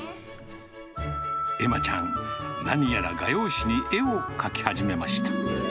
えまちゃん、何やら画用紙に絵を描き始めました。